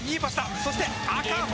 そして赤穂！